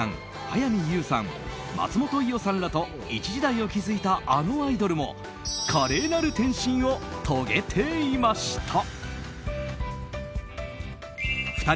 早見優さん、松本伊代さんらと一時代を築いたあのアイドルも華麗なる転身を遂げていました。